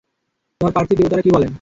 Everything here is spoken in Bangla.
তোমার পার্থিব দেবতারা কী বলেন?